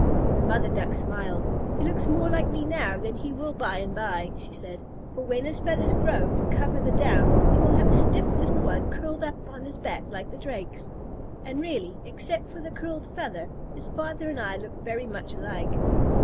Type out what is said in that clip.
The mother Duck smiled. "He looks more like me now than he will by and by," she said, "for when his feathers grow and cover the down, he will have a stiff little one curled up on his back like the Drake's. And really, except for the curled feather, his father and I look very much alike."